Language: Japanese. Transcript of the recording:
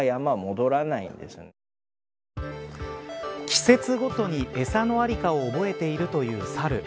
季節ごとに、餌のありかを覚えているというサル。